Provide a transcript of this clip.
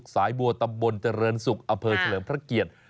เจริญสุกสายบัวตำบลเจริญสุกอเภอเฉลิมพระเกียรติ